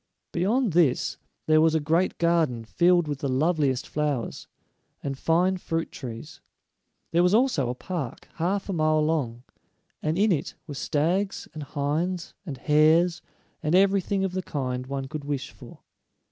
Beyond this there was a great garden filled with the loveliest flowers, and fine fruit trees. There was also a park, half a mile long, and in it were stags and hinds, and hares, and everything of the kind one could wish for.